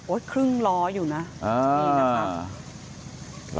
โอ้ยครึ่งรออยู่นะนี่นะครับ